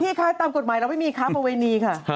คะตามกฎหมายเราไม่มีค้าประเวณีค่ะ